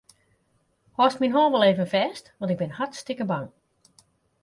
Hâldst myn hân wol even fêst, want ik bin hartstikke bang.